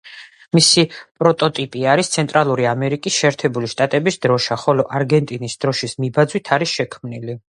მისი პროტოტიპი არის ცენტრალური ამერიკის შეერთებული შტატების დროშა, ხოლო არგენტინის დროშის მიბაძვით არის შექმნილი.